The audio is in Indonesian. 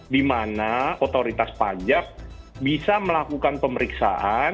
di mana otoritas pajak bisa melakukan pemeriksaan